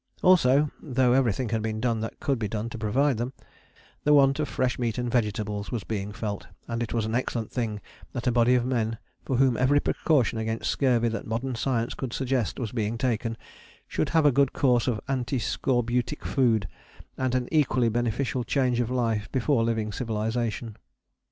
Also, though everything had been done that could be done to provide them, the want of fresh meat and vegetables was being felt, and it was an excellent thing that a body of men, for whom every precaution against scurvy that modern science could suggest was being taken, should have a good course of antiscorbutic food and an equally beneficial change of life before leaving civilization.